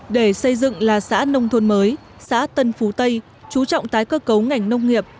để xây dựng là xã nông thôn mới xã tân phú tây chú trọng tái cơ cấu ngành nông nghiệp